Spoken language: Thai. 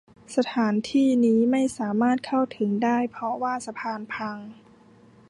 สถานที่นี้ไม่สามารถเข้าถึงได้เพราะว่าสะพานพัง